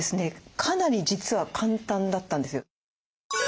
かなり実は簡単だったんですよ。